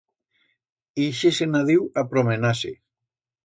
Ixe se'n ha diu a promenar-se.